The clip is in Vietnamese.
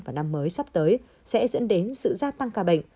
vào năm mới sắp tới sẽ dẫn đến sự gia tăng ca bệnh